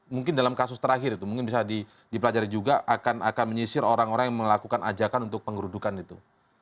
mungkin dalam kasus terakhir itu mungkin bisa dipelajari juga akan menyisir orang orang yang melakukan ajakan untuk penggerudukan itu